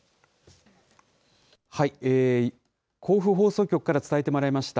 甲府放送局から伝えてもらいました。